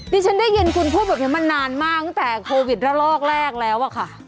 ดิฉันได้ยินคุณพูดแบบนี้มานานมากตั้งแต่โควิดระลอกแรกแล้วอะค่ะ